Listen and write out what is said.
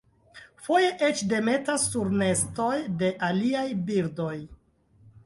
Foje eĉ demetas sur nestoj de aliaj birdoj.